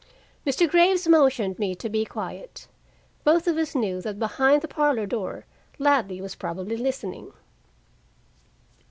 Mr. Graves motioned me to be quiet. Both of us knew that behind the parlor door Ladley was probably listening.